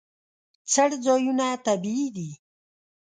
څړځایونه طبیعي دي.